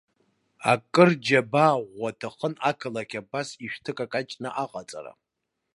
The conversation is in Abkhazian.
Акыр џьабаа ӷәӷәа аҭахын ақалақь абас ишәҭыкакаҷны аҟаҵара.